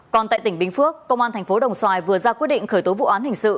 còn tại tỉnh bình phước công an thành phố đồng xoài vừa ra quyết định khởi tố vụ án hình sự